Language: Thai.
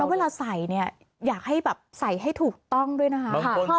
เวลาใส่เนี่ยอยากให้แบบใส่ให้ถูกต้องด้วยนะคะ